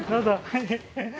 はい。